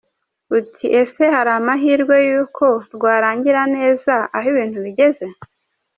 Uti ese hari amahirwe yuko rwarangira neza aho ibintu bigeze?